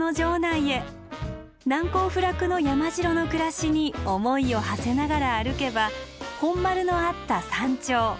難攻不落の山城の暮らしに思いをはせながら歩けば本丸のあった山頂。